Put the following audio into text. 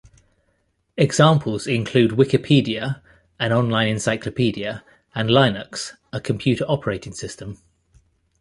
Examples include Wikipedia, an online encyclopedia, and Linux, a computer operating system.